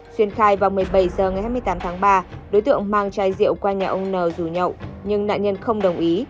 xuyên khai vào một mươi bảy h ngày hai mươi tám tháng ba đối tượng mang chai rượu qua nhà ông n rủ nhậu nhưng nạn nhân không đồng ý